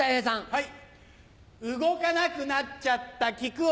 はい。